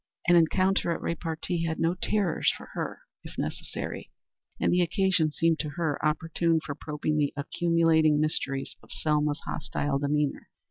An encounter at repartee had no terrors for her, if necessary, and the occasion seemed to her opportune for probing the accumulating mysteries of Selma's hostile demeanor.